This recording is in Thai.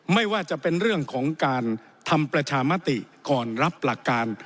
ไม่ว่าจะเป็นเรื่องของการทำประชามติก่อนรับหลักการ